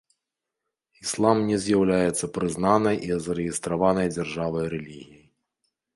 Іслам не з'яўляецца прызнанай і зарэгістраванай дзяржавай рэлігіяй.